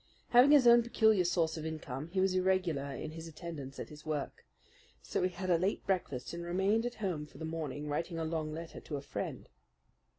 Having his own peculiar source of income, he was irregular in his attendance at his work; so he had a late breakfast, and remained at home for the morning writing a long letter to a friend.